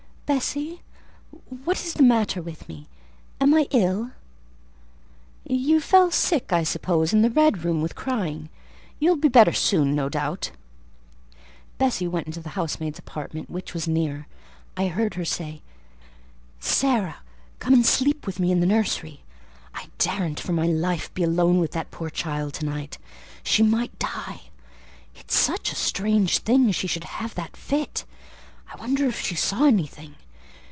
"Bessie, what is the matter with me? Am I ill?" "You fell sick, I suppose, in the red room with crying; you'll be better soon, no doubt." Bessie went into the housemaid's apartment, which was near. I heard her say— "Sarah, come and sleep with me in the nursery; I daren't for my life be alone with that poor child to night: she might die; it's such a strange thing she should have that fit: I wonder if she saw anything.